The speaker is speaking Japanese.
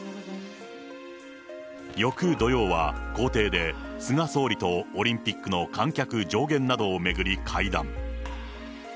翌土曜は公邸で、菅総理とオリンピックの観客上限などを巡り会談。